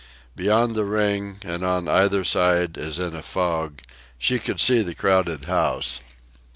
Beyond the ring, and on either side, as in a fog, she could see the crowded house.